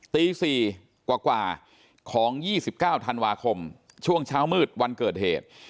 ตี๔กว่าของ๒๙ธันวาคมช่วงเช้ามืดวันเกิดเหตุ